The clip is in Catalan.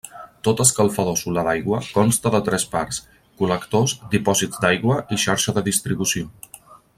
Tot escalfador solar d'aigua consta de tres parts: col·lectors, dipòsits d'aigua i xarxa de distribució.